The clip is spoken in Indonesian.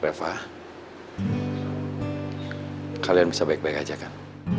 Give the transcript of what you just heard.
eva kalian bisa baik baik aja kan